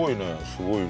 すごい量。